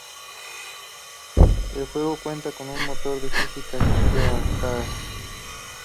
El juego cuenta con un motor de física estilo arcade.